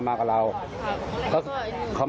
อ๋อคนนี้ไม่ได้มามากับเราครับ